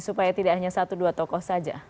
supaya tidak hanya satu dua tokoh saja